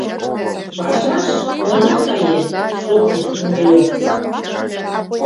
— Пашаш она кае! — шоктыш Румелёв.